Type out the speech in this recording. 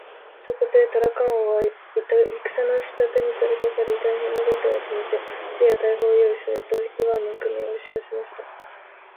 そこでタラカン王は戦のしたくに取りかかり、大へんな軍隊を集めて、銃や大砲をよういすると、イワンの国へおしよせました。